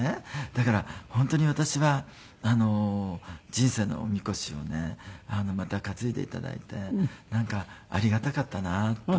だから本当に私は人生のおみこしをねまた担いで頂いてなんかありがたかったなと思います。